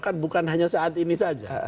kan bukan hanya saat ini saja